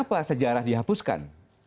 kita harus dihapuskan